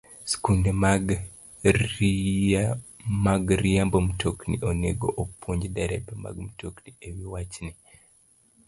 Skunde mag riembo mtokni onego opuonj derepe mag mtokni e wi wachni.